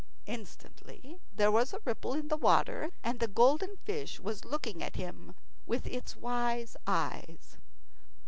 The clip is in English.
Instantly there was a ripple in the water, and the golden fish was looking at him with its wise eyes.